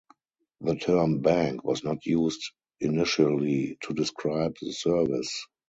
The term "bank" was not used initially to describe the service.